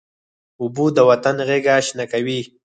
اوبه د وطن غیږه شنه کوي.